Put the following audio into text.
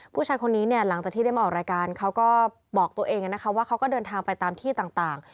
ผู้ชายคนนี้เนี่ยหลังจากที่ได้มาออกรายการเขาก็บอกตัวเองนะคะว่าเขาก็เดินทางไปตามที่ต่าง